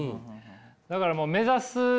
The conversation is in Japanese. だからもう目指すもの